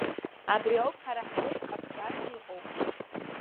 Абри ауп ҳара ҳзы ԥҟаԥҵәас иҟоу.